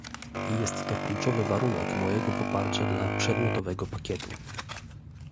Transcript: Jest to kluczowy warunek mojego poparcia dla przedmiotowego pakietu